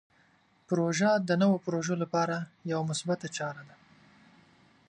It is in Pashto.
پروژه د نوو پروژو لپاره یوه مثبته چاره ده.